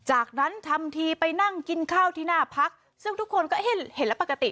จากนั้นทำทีไปนั่งกินข้าวที่หน้าพักซึ่งทุกคนก็เห็นเห็นแล้วปกติ